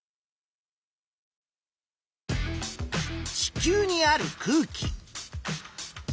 地球にある空気。